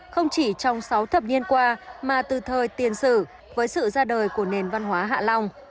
không chỉ trong sáu thập niên qua mà từ thời tiền sử với sự ra đời của nền văn hóa hạ long